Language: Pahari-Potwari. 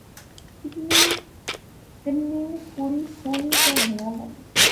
کنے کڑی سوہنی تے حیا والی